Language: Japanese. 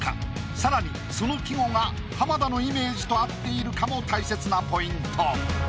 さらにその季語が浜田のイメージと合っているかも大切なポイント。